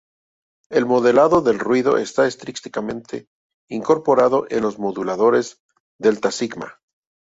El modelado de ruido está intrínsecamente incorporado en los moduladores delta-sigma.